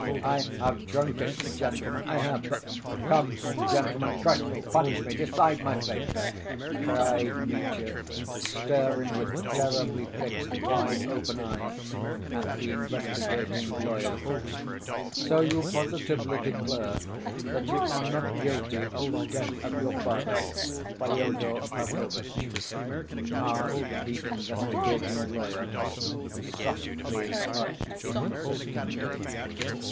"I have drunk it, gentlemen, I have ... but ... come, gentlemen, crush me, punish me, decide my fate!" cried Mitya, staring with terribly fixed wide‐ open eyes at the investigating lawyer. "So you positively declare that you are not guilty of the death of your father, Fyodor Pavlovitch?" asked the investigating lawyer, softly but insistently.